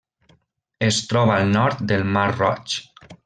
Es troba al nord del Mar Roig.